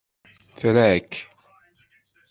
Tra-k!